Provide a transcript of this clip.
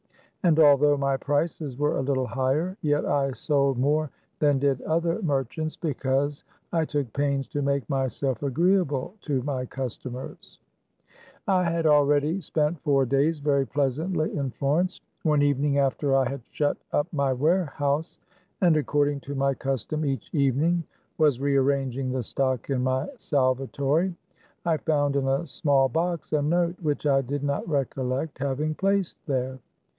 And although my prices were a little higher, yet I sold more than did other merchants, because I took pains to make myself agreeable to my customers. ^ p „ nte Vecchio. I had already 1 Florence ! spent four days : sa very pleasantly in Florence. One evening after I 134 THE CAB AVAN. had shut up my warehouse, and according to my custom each evening, was rearranging the stock in my salvatory, I found in a small box a note which I did not recollect having placed there.